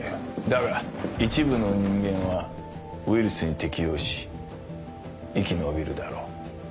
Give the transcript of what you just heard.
だが一部の人間はウイルスに適応し生き延びるだろう。